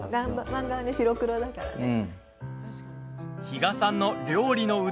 漫画は白黒だからね。